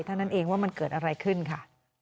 เท่านั้นเองว่ามันเกิดอะไรขึ้นค่ะ